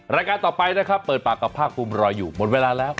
รายการต่อไปนะครับเปิดปากกับภาคภูมิรออยู่หมดเวลาแล้ว